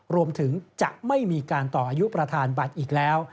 รวมถึงจะไม่มีการต่ออายุประธานบัตรอีกแล้ว